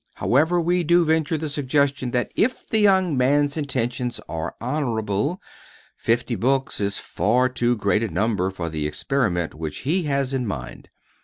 However, we do venture the suggestion that if the young man's intentions are honorable, fifty books is far too great a number for the experiment which he has in mind.